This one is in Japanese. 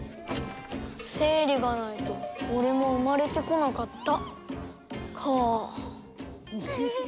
生理がないと俺も生まれてこなかった、かあ。